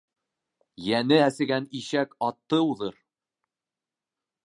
Йәне әсегән ишәк атты уҙыр.